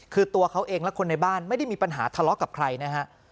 คือตัวเขาเองและคนในบ้านไม่ได้มีปัญหาทะเลาะกับใครนะฮะ